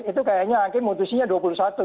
itu kayaknya akhirnya mutusinya dua puluh satu tuh